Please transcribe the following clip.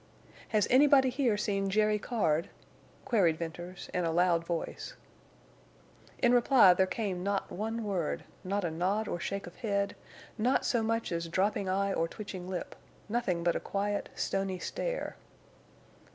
"Has anybody here seen Jerry Card?" queried Venters, in a loud voice. In reply there came not a word, not a nod or shake of head, not so much as dropping eye or twitching lip—nothing but a quiet, stony stare.